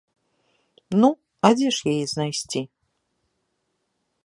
Ну, а дзе ж яе знайсці?